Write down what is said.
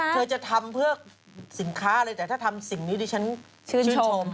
เธอจะทำเพื่อสินค้าเลยแต่ถ้าทำสิ่งนี้ดิฉันชื่นชม